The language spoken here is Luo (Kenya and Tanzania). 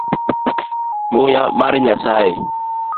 Muya mar nyasaye.